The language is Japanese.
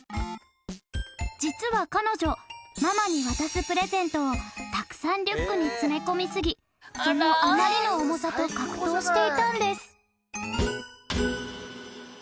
実は彼女ママに渡すプレゼントをたくさんリュックに詰め込みすぎそのあまりの重さと格闘していたんです